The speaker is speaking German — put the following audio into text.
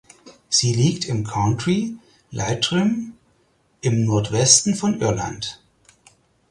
Sie liegt im County Leitrim im Nordwesten von Irland.